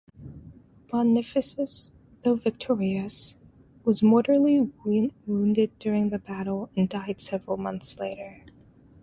Bonifacius, though victorious, was mortally wounded during the battle and died several months later.